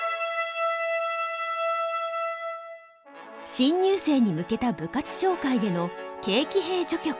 新入生に向けた部活紹介での「軽騎兵」序曲。